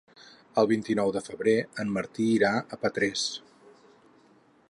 El vint-i-nou de febrer en Martí irà a Petrés.